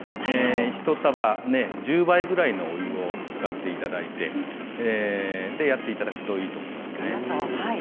一束１０倍くらいのお湯の量を使っていただいてやっていただくといいと思いますね。